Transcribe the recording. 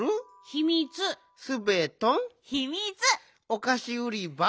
おかしうりば？